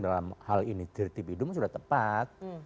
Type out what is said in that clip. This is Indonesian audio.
dalam hal ini tertipi itu sudah tepat